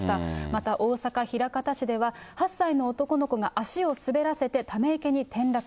また、大阪・枚方市では８歳の男の子が足を滑らせて、ため池に転落。